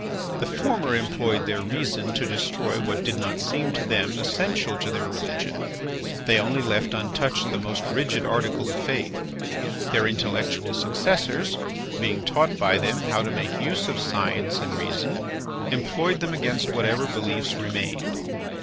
The former employed their reason to destroy what did not seem to them, essential to their religion; they only left untouched the most rigid article of faith. Their intellectual successors, being taught by them how to make use of science and reason, employed them against whatever beliefs remained.